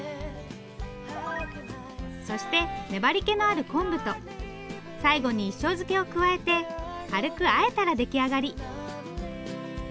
そして粘りけのある昆布と最後に一升漬けを加えて軽くあえたら出来上がり。